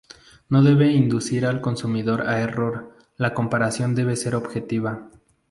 No debe inducir al consumidor a error y la comparación debe ser objetiva.